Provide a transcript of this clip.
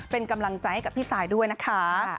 เป็นกำลังใจให้กับพี่ซายด้วยนะคะ